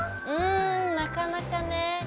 うんなかなかね。